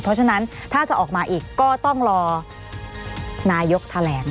เพราะฉะนั้นถ้าจะออกมาอีกก็ต้องรอนายกแถลง